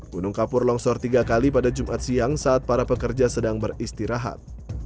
gunung kapur longsor tiga kali pada jumat siang saat para pekerja sedang beristirahat